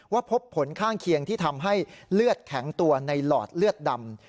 พบผลข้างเคียงที่ทำให้เลือดแข็งตัวในหลอดเลือดดำ